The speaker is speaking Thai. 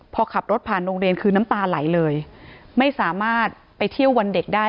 พอขับรถผ่านโรงเรียนคือน้ำตาไหลเลยไม่สามารถไปเที่ยววันเด็กได้